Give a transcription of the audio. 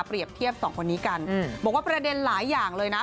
เทียบสองคนนี้กันบอกว่าประเด็นหลายอย่างเลยนะ